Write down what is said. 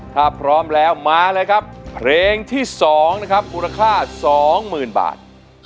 ถ้าพร้อมแล้วมาเลยครับเพลงที่สองอุโรค่า๒๐๐๐๐บาท